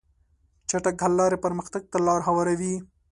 چټک حل لارې پرمختګ ته لار هواروي.